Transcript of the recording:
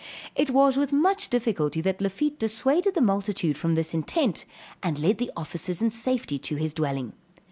It was with much difficulty that Lafitte dissuaded the multitude from this intent, and led the officers in safety to his dwelling.